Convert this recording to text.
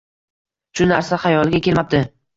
Shu narsa xayoliga kelmabdi